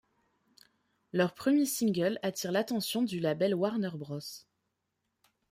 Leurs premiers singles attirent l’attention du label Warner Bros.